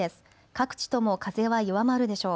各地とも風は弱まるでしょう。